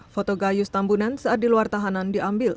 foto gayus tambunan saat di luar tahanan diambil